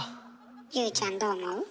ＹＯＵちゃんどう思う？